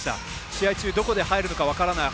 試合中、どこで入るのか分からない。